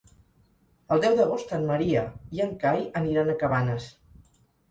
El deu d'agost en Maria i en Cai aniran a Cabanes.